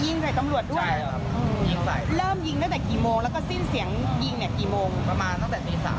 เช้าเลยครับเงียบแล้วก็เงียบเลยครับ